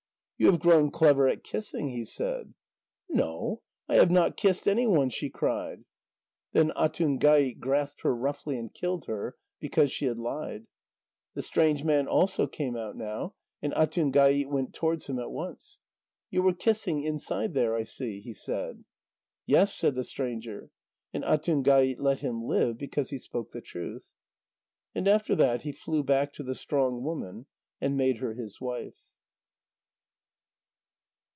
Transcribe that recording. "You have grown clever at kissing," he said. "No, I have not kissed any one," she cried. Then Atungait grasped her roughly and killed her, because she had lied. The strange man also came out now, and Atungait went towards him at once. "You were kissing inside there, I see," he said. "Yes," said the stranger. And Atungait let him live, because he spoke the truth. And after that he flew back to the strong woman and made her his wife.